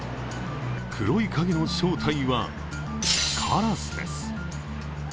黒い影の正体は、カラスです。